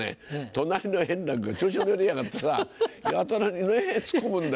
隣の円楽が調子に乗りやがってさやたらにねツッコむんだよね。